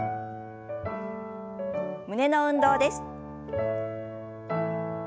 胸の運動です。